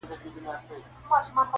حافظه يې له ذهن نه نه وځي,